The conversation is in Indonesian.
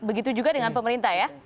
begitu juga dengan pemerintah ya